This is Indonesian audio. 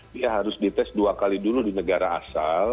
dia harus dites dua kali dulu di negara asal